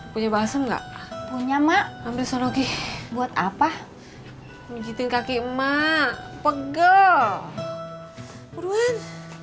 punya basah enggak punya mak amri sologi buat apa begitu kaki emak pegel buruan